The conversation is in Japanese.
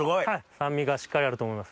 酸味がしっかりあると思います。